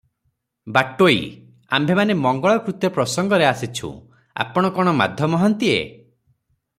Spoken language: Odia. ବାଟୋଇ- ଆମ୍ଭେମାନେ ମଙ୍ଗଳକୃତ୍ୟ ପ୍ରସଙ୍ଗରେ ଆସିଛୁଁ- ଆପଣ କଣ ମାଧ ମହାନ୍ତିଏ?